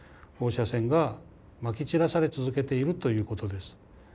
放射線がまき散らされ続けているということです。